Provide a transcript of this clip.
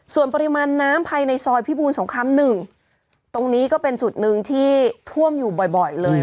ส่วนปริมาณน้ำภายในซอยพิบูรสงคราม๑ตรงนี้ก็เป็นจุดหนึ่งที่ท่วมอยู่บ่อยเลย